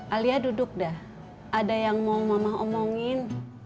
alia duduk dah ada yang mau mamah omongin